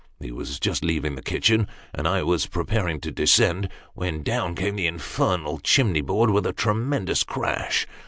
He was just leaving the kitchen, and I was preparing to descend, when down came the infernal chimney board with a tremendous crash.